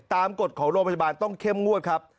กฎของโรงพยาบาลต้องเข้มงวดครับ